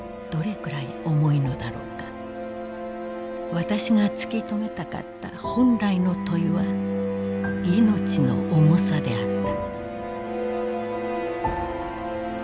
「わたしが突きとめたかった本来の問はいのちの重さであった」。